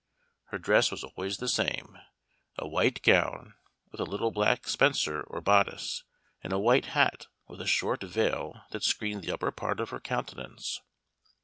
Her dress was always the same, a white gown with a little black spencer or bodice, and a white hat with a short veil that screened the upper part of her countenance.